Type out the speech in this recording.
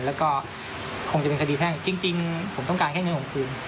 แล้วก็คงจะเป็นคดีแพ่งจริงผมต้องการแค่เงินข่มคืน